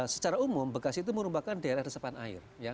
secara umum bekasi itu merupakan daerah resepan air